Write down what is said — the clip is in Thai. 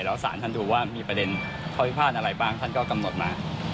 แล้วสารท่านดูว่ามีประเด็นข้อพิพาทอะไรบ้างท่านก็กำหนดมา